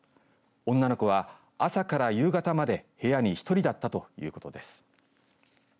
女の子は、朝から夕方まで部屋に１人だったということです。